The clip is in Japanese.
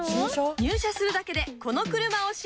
入社するだけでこの車を進呈。